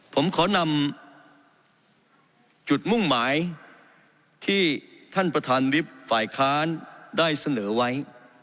ผมขอนำจุดมุ่งหมายที่ท่านประธานวิบฝ่ายค้านได้เสนอไว้